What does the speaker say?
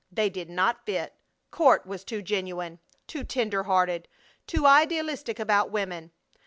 They did not fit. Court was too genuine! Too tender hearted! Too idealistic about women!